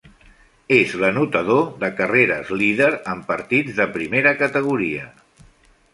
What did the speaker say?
És l'anotador de carreres líder en partits de primera categoria.